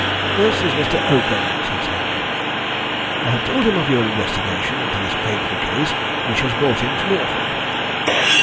"This is Mr. Oakham," said Sir Henry. "I have told him of your investigation into this painful case which has brought him to Norfolk."